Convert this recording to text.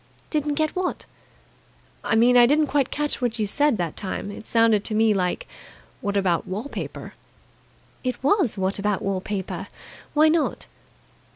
"Didn't get what?" "I mean, I didn't quite catch what you said that time. It sounded to me like 'What about wall paper?'" "It was 'What about wall paper?' Why not?"